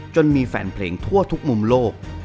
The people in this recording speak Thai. จนมีแฟนเพลงทั่วทุกมุมโลก